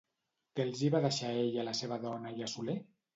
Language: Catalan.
Què els hi va deixar ell a la seva dona i a Soler?